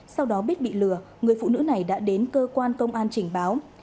sau đó biết bị lừa người phụ nữ này đã đến cơ quan công an trình báo